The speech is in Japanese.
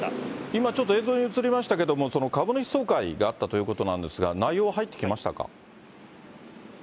今、ちょっと映像に映りましたけれども、株主総会があったということなんですが、内容は入ってきましたか。